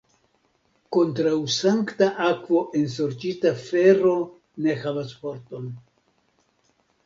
Kontraŭ sankta akvo ensorĉita fero ne havas forton.